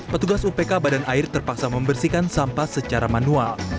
petugas upk badan air terpaksa membersihkan sampah secara manual